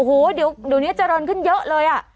หูหลวงนี้จะโดนขึ้นเยอะเลยอะ